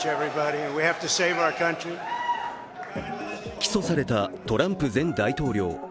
起訴されたトランプ前大統領。